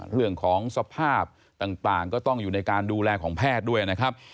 เรื่องของสภาพต่างก็ต้องอยู่ในการดูแลของแพทย์ด้วยนะครับ